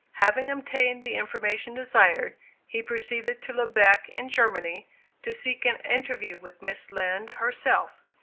Having obtained the information desired, he proceeded to Lubeck, in Germany, to seek an interview with Miss Lind herself.